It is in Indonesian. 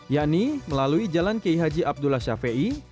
yakni melalui jalan k h abdullah syafiei